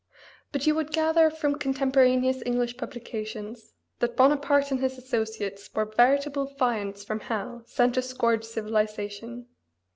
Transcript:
But you would gather from contemporaneous English publications that Bonaparte and his associates were veritable fiends from hell sent to scourge civilization.